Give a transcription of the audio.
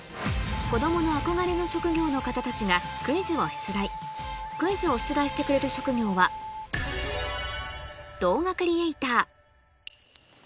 子供の憧れの職業の方たちがクイズを出題クイズを出題してくれる職業はシルクです。